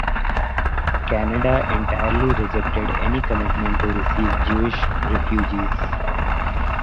Canada entirely rejected any commitment to receive Jewish refugees.